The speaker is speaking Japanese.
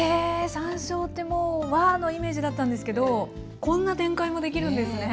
山椒ってもう和のイメージだったんですけどこんな展開もできるんですね。ね